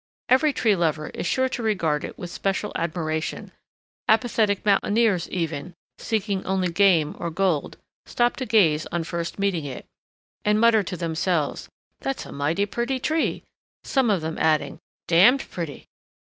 Every tree lover is sure to regard it with special admiration; apathetic mountaineers, even, seeking only game or gold, stop to gaze on first meeting it, and mutter to themselves: "That's a mighty pretty tree," some of them adding, "d——d pretty!"